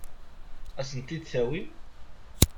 Ad as-tent-id-tawim?